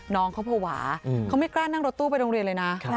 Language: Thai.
น้องเขาภาวะเขาไม่กล้านั่งรถตู้ไปโรงเรียนเลยนะ